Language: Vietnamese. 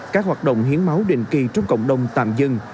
các hoạt động hiến máu định kỳ trước cộng đồng tạm dừng